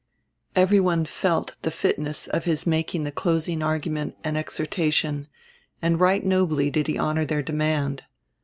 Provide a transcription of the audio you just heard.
Every one felt the fitness of his making the closing argument and exhortation, and right nobly did he honor their demand.